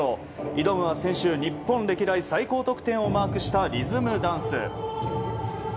挑むのは、先週日本歴代最高得点をマークしたリズムダンス。